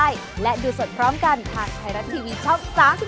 สวัสดีครับ